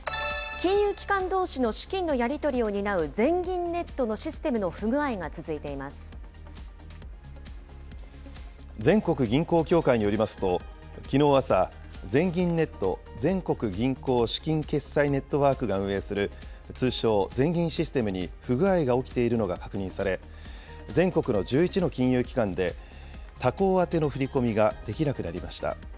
金融機関どうしの資金のやり取りを担う全銀ネットのシステムの不全国銀行協会によりますと、きのう朝、全銀ネット・全国銀行資金決済ネットワークが運営する通称、全銀システムに不具合が起きているのが確認され、全国の１１の金融機関で他行宛ての振り込みができなくなりました。